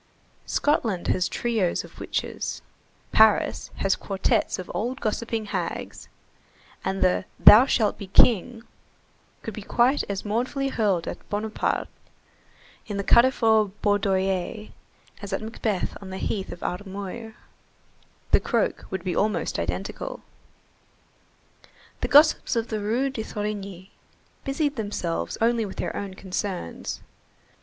Scotland has trios of witches, Paris has quartettes of old gossiping hags; and the "Thou shalt be King" could be quite as mournfully hurled at Bonaparte in the Carrefour Baudoyer as at Macbeth on the heath of Armuyr. The croak would be almost identical. The gossips of the Rue de Thorigny busied themselves only with their own concerns.